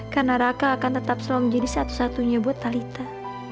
karena raka akan tetap selalu menjadi satu satunya buat talitha